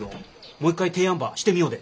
もう一回提案ばしてみようで。